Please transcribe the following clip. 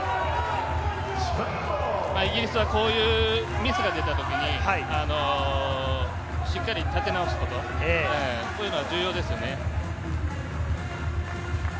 イギリスはこういうミスが出た時にしっかり立て直すこと、こういうのが重要ですよね。